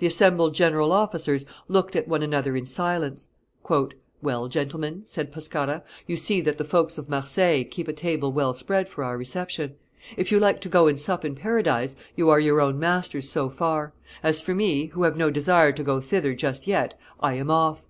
The assembled general officers looked at one another in silence. "Well, gentlemen," said Pescara, "you see that the folks of Marseilles keep a table well spread for our reception; if you like to go and sup in paradise, you are your own masters so far; as for me, who have no desire to go thither just yet, I am off.